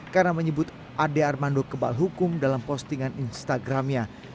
karena menyebut ade armando kebal hukum dalam postingan instagramnya